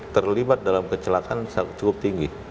terlibat dalam kecelakaan cukup tinggi